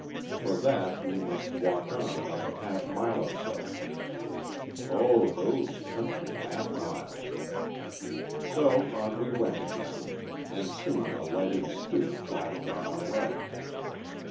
For that we must walk on another half mile or so. O those country half miles! So on we went again, and soon a lighted stoop flashed on our right.